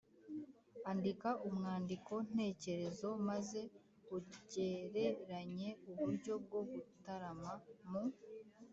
andika umwandiko ntekerezo maze ugereranye uburyo bwo gutarama mu